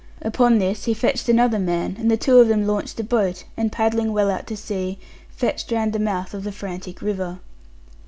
Upon this he fetched another man, and the two of them launched a boat; and paddling well out to sea, fetched round the mouth of the frantic river.